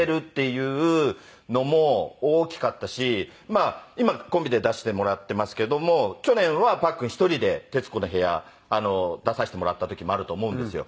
まあ今コンビで出してもらっていますけども去年はパックン一人で『徹子の部屋』出させてもらった時もあると思うんですよ。